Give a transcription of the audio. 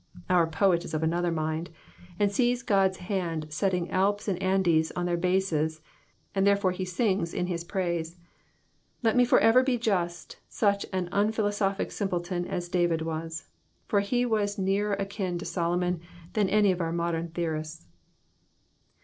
Our poet is of another mind, and sees God's hand settling Alps and Andes on their bases, and therefore he sings in his praise. Let me for ever be just such an unphilosophic simpleton as David was, for he was nearer akin to Solomon than any of our modem theorists.